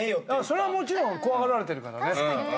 それはもちろん怖がられてるからね。